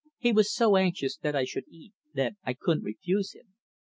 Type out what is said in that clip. He was so anxious that I should eat that I couldn't refuse him.